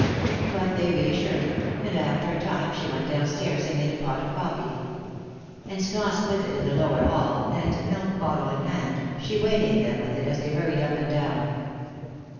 But they reassured her, and after a time she went downstairs and made a pot of coffee. Ensconced with it in the lower hall, and milk bottle in hand, she waylaid them with it as they hurried up and down.